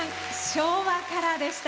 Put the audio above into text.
「昭和から」でした。